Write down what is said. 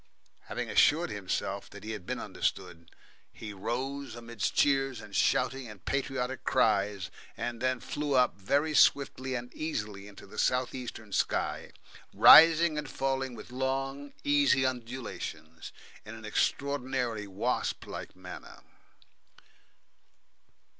And having assured himself that he had been understood, he rose amidst cheers and shouting and patriotic cries, and then flew up very swiftly and easily into the south eastern sky, rising and falling with long, easy undulations in an extraordinarily wasp like manner.